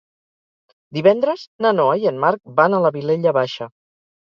Divendres na Noa i en Marc van a la Vilella Baixa.